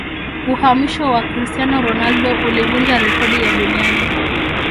uhamisho wa cristiano ronaldo ulivunja rekodi ya duniani